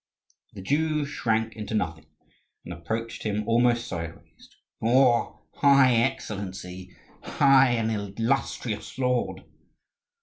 The Jew shrank into nothing and approached him almost sideways: "Your high excellency! High and illustrious lord!"